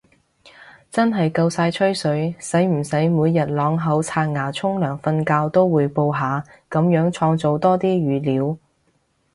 真係夠晒吹水，使唔使每日啷口刷牙沖涼瞓覺都滙報下，噉樣創造多啲語料